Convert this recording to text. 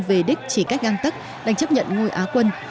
về đích chỉ cách găng tức đánh chấp nhận ngôi á quân